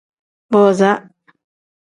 Booza.